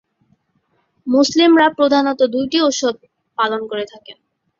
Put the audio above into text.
মুসলিমরা প্রধানত দুইটি উৎসব পালন করে থাকেন।